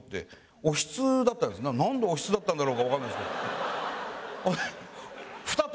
なんでおひつだったんだろうかわかんないですけど。